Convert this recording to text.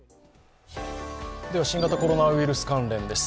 では新型コロナウイルス関連です。